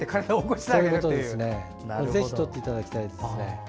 なので、ぜひとっていただきたいです。